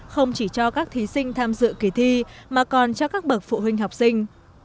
không chỉ cho các thí sinh tham dự kỳ thi mà còn cho các bậc phụ huynh học sinh